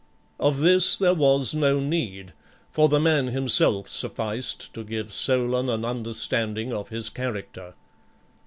Of this there was no need, for the man himself sufficed to give Solon an understanding of his character.